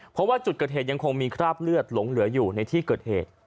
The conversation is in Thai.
เพราะว่าจุดเกิดเหตุยังคงมีคราบเลือดหลงเหลืออยู่ในที่เกิดเหตุ